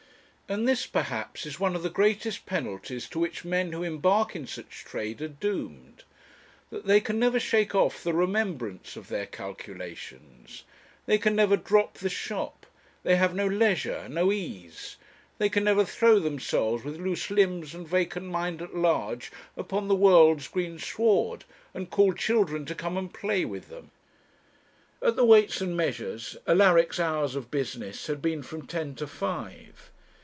And this, perhaps, is one of the greatest penalties to which men who embark in such trade are doomed, that they can never shake off the remembrance of their calculations; they can never drop the shop; they have no leisure, no ease; they can never throw themselves with loose limbs and vacant mind at large upon the world's green sward, and call children to come and play with them. At the Weights and Measures Alaric's hours of business had been from ten to five.